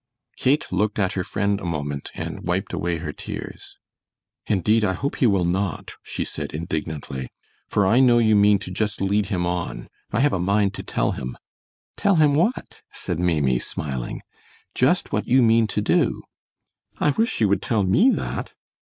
Kate looked at her friend a moment and wiped away her tears. "Indeed I hope he will not," she said, indignantly, "for I know you mean to just lead him on. I have a mind to tell him." "Tell him what?" said Maimie, smiling. "Just what you mean to do." "I wish you would tell me that."